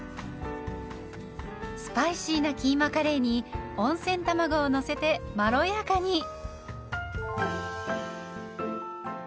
スパイシーなキーマカレーに温泉卵をのせてまろやかに。